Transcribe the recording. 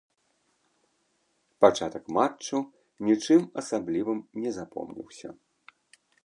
Пачатак матчу нічым асаблівым не запомніўся.